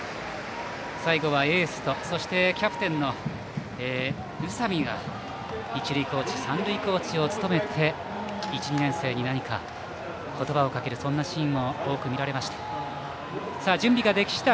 最後は、エースとキャプテンの宇佐美が一塁コーチ、三塁コーチを務めて１、２年生に言葉をかけるそんなシーンも多く見られました。